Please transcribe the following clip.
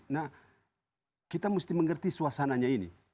nah kita mesti mengerti suasananya ini